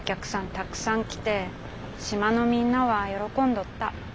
たくさん来てしまのみんなはよろこんどった。